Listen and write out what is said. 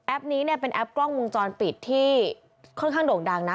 นี้เนี่ยเป็นแอปกล้องวงจรปิดที่ค่อนข้างโด่งดังนะ